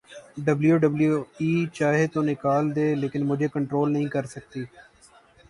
W W E چاہے تو نکال دے لیکن مجھے کنٹرول نہیں کر سکتی